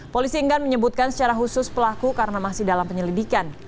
polisi enggan menyebutkan secara khusus pelaku karena masih dalam penyelidikan